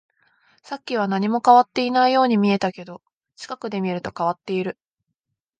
さっきは何も変わっていないように見えたけど、近くで見ると変わっている